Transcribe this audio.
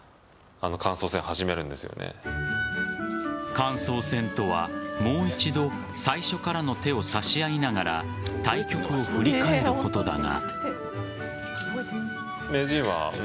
感想戦とは、もう一度最初からの手を指し合いながら対局を振り返ることだが。